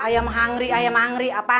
ya ya ya minta istirahat